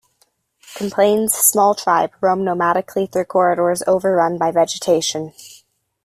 Complain's small tribe roam nomadically through corridors overrun by vegetation.